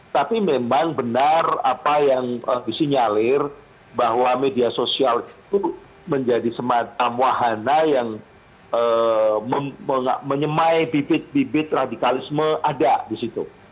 tapi memang benar apa yang disinyalir bahwa media sosial itu menjadi semacam wahana yang menyemai bibit bibit radikalisme ada di situ